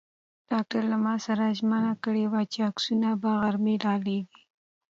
ډاکټر له ما سره ژمنه کړې وه چې عکسونه به غرمه را لېږي.